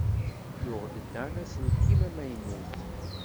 Yuɣ-d Dan aselkim amaynut.